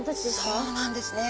そうなんですね。